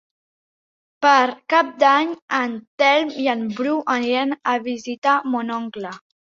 Per Cap d'Any en Telm i en Bru aniran a visitar mon oncle.